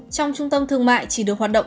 trong trung tâm thương mại chỉ được hoạt động